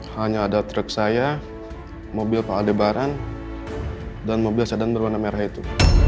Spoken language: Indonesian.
hanya ada trik saya mobil pak adebaran dan mobil sedan berwarna merah itu